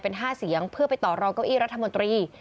เป็น๕เสียงเพื่อไปต่อรองเก้าอี้รัฐมนตรี